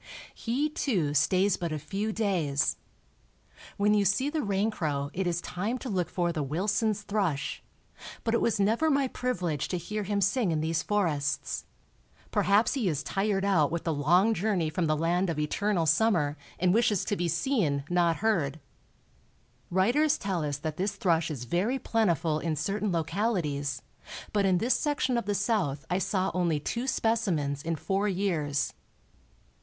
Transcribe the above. He, too, stays but a few days. When you see the raincrow it is time to look for the Wilson's thrush; but it was never my privilege to hear him sing in these forests. Perhaps he is tired out with the long journey from the land of eternal summer and wishes to be seen, not heard. Writers tell us that this thrush is very plentiful in certain localities, but in this section of the South I saw only two specimens in four years.